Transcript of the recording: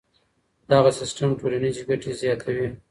دغه سیستم ټولنیزې ګټې زیاتوي.